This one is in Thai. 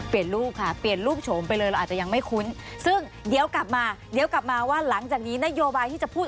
เปลี่ยนรูปค่ะเปลี่ยนรูปโฉมไปเลยเราอาจจะยังไม่คุ้น